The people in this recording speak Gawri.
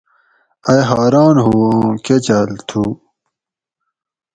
ائی حاران ہُو اُو کہ چھاۤل تُھو؟